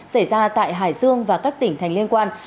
xảy ra tại hải dương và các tỉnh thành liên quan